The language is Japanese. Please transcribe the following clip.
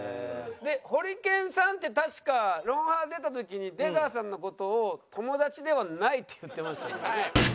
でホリケンさんって確か『ロンハー』出た時に出川さんの事を友達ではないって言ってましたけどね。